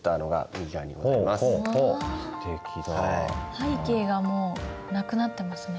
背景がもうなくなってますね。